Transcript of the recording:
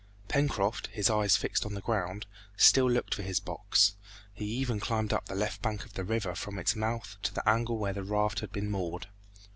Pencroft, his eyes fixed on the ground, still looked for his box. He even climbed up the left bank of the river from its mouth to the angle where the raft had been moored.